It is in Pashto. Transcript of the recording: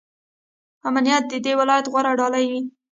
امنیت د دې ولایت غوره ډالۍ وي.